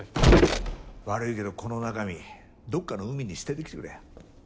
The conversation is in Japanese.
悪いけどこの中身どっかの海に捨ててきてくれや。